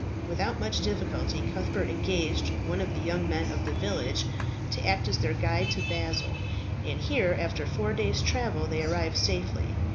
Without much difficulty Cuthbert engaged one of the young men of the village to act as their guide to Basle, and here, after four days' travelling, they arrived safely.